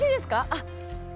あっ。